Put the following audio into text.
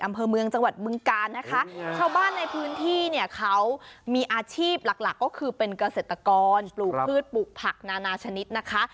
อำเภอเมืองจังหวัดบึงกาลนะคะชาวบ้านในพื้นที่เนี่ยเขามีอาชีพหลักหลักก็คือเป็นเกษตรกรปลูกพืชปลูกผักนานาชนิดนะคะ